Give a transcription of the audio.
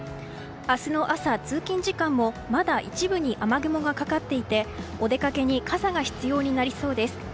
明日の朝、通勤時間もまだ一部に雨雲がかかっていて、お出かけに傘が必要になりそうです。